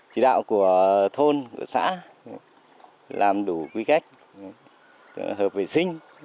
chỉ đạo của thôn xã làm đủ quy cách hợp vệ sinh